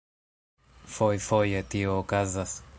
Fojfoje tio okazas.